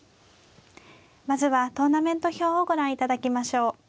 まずはトーナメント表をご覧いただきましょう。